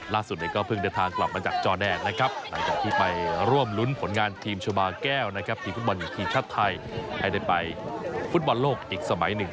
ล่าสุดก็เพิ่งเดินทางกลับมาจากจอแดนนะครับหลังจากที่ไปร่วมรุ้นผลงานทีมชาบาแก้วนะครับทีมฟุตบอลหญิงทีมชาติไทยให้ได้ไปฟุตบอลโลกอีกสมัยหนึ่ง